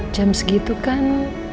jam segitu kan